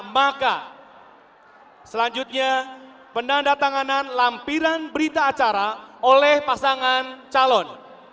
maka selanjutnya penanda tanganan lampiran berita acara oleh pasangan calon